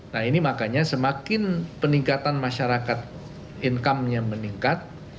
nah ini makanya semakin peningkatan masyarakat income nya meningkat